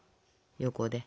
横で。